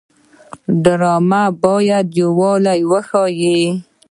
ډرامه باید یووالی وښيي